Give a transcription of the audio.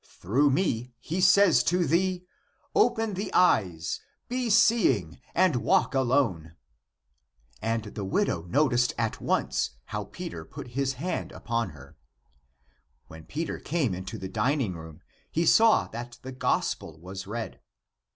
Through me he says to thee. Open the eyes, be seeing and walk alone." And the widow noticed at once how Peter put his hand upon her. When Peter came into the dining room he saw that the gospel was read.